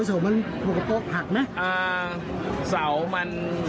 จึงไม่ได้เอดในแม่น้ำ